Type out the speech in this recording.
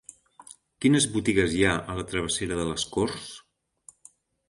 Quines botigues hi ha a la travessera de les Corts?